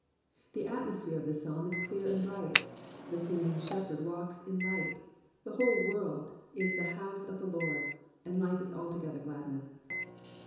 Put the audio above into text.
The atmosphere of the psalm is clear and bright. The singing shepherd walks in light. The whole world is the House of the Lord, and Hfe is altogether gladness.